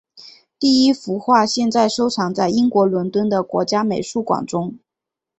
第一幅画现在收藏在英国伦敦的国家美术馆中。